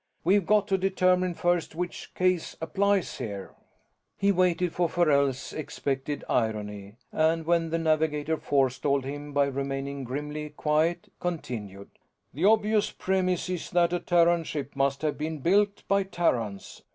We've got to determine first which case applies here." He waited for Farrell's expected irony, and when the navigator forestalled him by remaining grimly quiet, continued. "The obvious premise is that a Terran ship must have been built by Terrans.